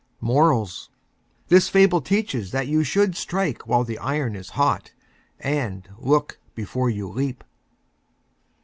MORALS: This Fable teaches that you should Strike While the Iron is Hot, and Look Before you Leap.